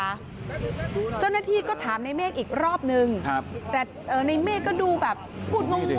แล้วที่ถามในเมฆในเมฆตอบว่ายังไง